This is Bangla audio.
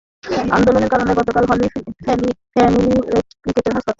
আন্দোলনের কারণে গতকাল হলি ফ্যামিলি রেড ক্রিসেন্ট হাসপাতালের বহির্বিভাগে রোগীরা চিকিৎসা পায়নি।